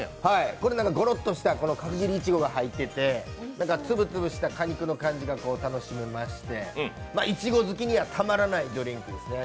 ごろっとした角切りいちごが入ってて、つぶつぶした果肉の感じが楽しめましていちご好きにはたまらないですね。